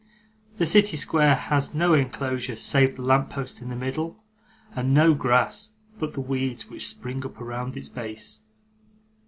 The city square has no enclosure, save the lamp post in the middle: and no grass, but the weeds which spring up round its base.